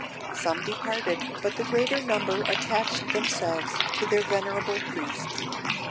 Some departed, but the greater number attached themselves to their venerable priest.